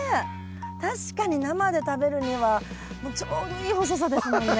確かに生で食べるにはちょうどいい細さですもんね。